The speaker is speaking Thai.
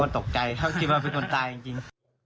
ตกใจเขาคิดว่าเป็นคนตายจริง